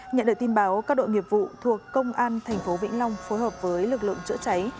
nhận được tin báo các đội nghiệp vụ thuộc công an tp vĩnh long phối hợp với lực lượng chữa cháy